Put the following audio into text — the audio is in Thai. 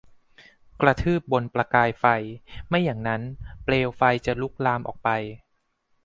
กระทืบบนประกายไฟ ไม่อย่างนั้นเปลวไฟจะลุกลามออกไป